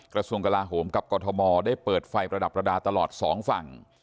กระทรวงกลาโหมกับกรทมได้เปิดไฟประดับประดาษตลอดสองฝั่ง